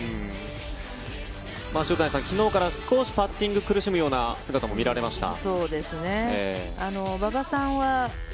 塩谷さん、昨日から少しパッティングに苦しむ姿も見られました。